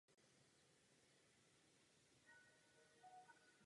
Po stranách jsou na římse andílci.